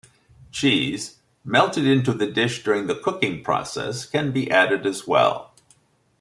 Cheese, melted into the dish during the cooking process, can be added as well.